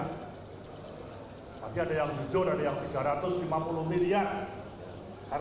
tapi ada yang jujur ada yang rp tiga ratus lima puluh miliar